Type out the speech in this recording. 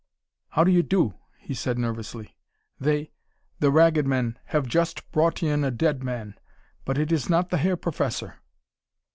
"How do you do," he said nervously. "They the Ragged Men have just brought in a dead man. But it is not the Herr Professor."